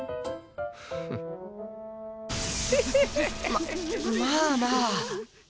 ままあまあ。